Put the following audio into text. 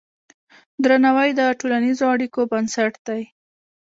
درناوی د ټولنیزو اړیکو بنسټ دی.